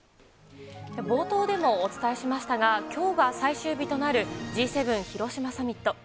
冒頭でもお伝えしましたが、きょうが最終日となるＧ７広島サミット。